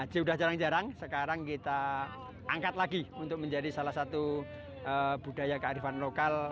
sudah jarang jarang sekarang kita angkat lagi untuk menjadi salah satu budaya kearifan lokal